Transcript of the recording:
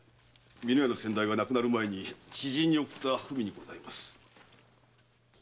美濃屋の先代が亡くなる前知人に送った文です。